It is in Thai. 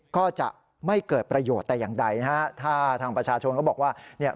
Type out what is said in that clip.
ก็จะไม่เกิดประโยชน์แต่อย่างใดนะฮะถ้าทางประชาชนก็บอกว่าเนี่ย